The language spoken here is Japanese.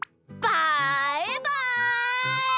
バイバイ！